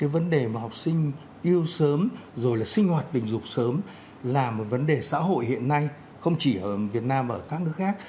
vấn đề mà học sinh yêu sớm rồi là sinh hoạt tình dục sớm là một vấn đề xã hội hiện nay không chỉ ở việt nam ở các nước khác